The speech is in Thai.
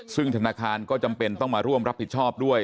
ซึ่งธนาคารก็จำเป็นต้องมาร่วมรับผิดชอบด้วย